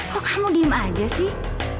kok kamu diem aja sih